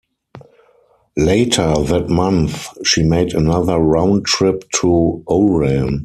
Later that month she made another round trip to Oran.